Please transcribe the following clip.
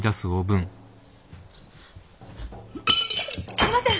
すいません！